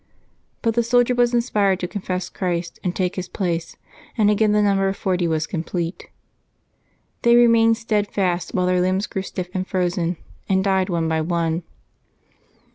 But the soldier was inspired to confess Christ and take his place, and again the number of forty was complete^ They remained steadfast while their limbs grew stiff and frozen, and died March 11] LIVES OF THE SAINTS 103 one by one.